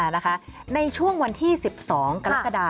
ในช่วงวันที่๑๒กรกฎา